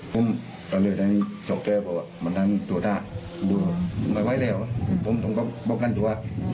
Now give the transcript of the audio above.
ผมก็เหลือในนี้เจ้าแก่บอกว่ามันนั้นตัวท่าไม่ไหวแล้วผมต้องก็บอกกันตัว